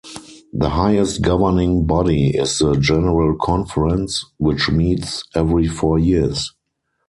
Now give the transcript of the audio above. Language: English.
The highest governing body is the General Conference, which meets every four years.